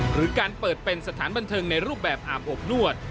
หรือการเปิดเป็นสถานบันเทิงในรูปแบบอาบอบนวด